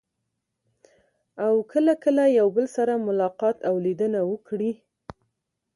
او کله کله یو بل سره ملاقات او لیدنه وکړي.